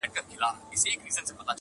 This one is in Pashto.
نه په سیند نه په ویالو کي به بهیږي -